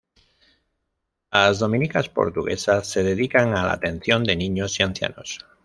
Las dominicas portuguesas se dedican a la atención de niños y ancianos.